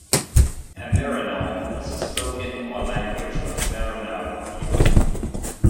A "Meranaw" is a spoken or language of Maranao people.